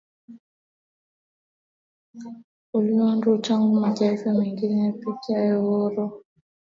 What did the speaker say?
uliodumu tangu mataifa mengine yapate uhuru